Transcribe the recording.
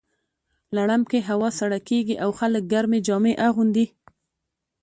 لړم کې هوا سړه کیږي او خلک ګرمې جامې اغوندي.